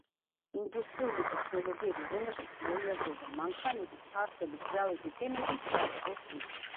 ინდუსტრიული ტექნოლოგიები, რომელშიც მოიაზრება მანქანები, ჩარხები, ძრავები, გემები, ტრანსპორტი.